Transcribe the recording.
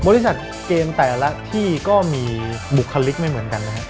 เกมแต่ละที่ก็มีบุคลิกไม่เหมือนกันนะครับ